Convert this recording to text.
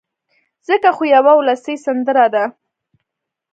ځکه خو يوه اولسي سندره ده